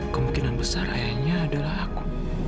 kemungkinan besar ayahnya adalah aku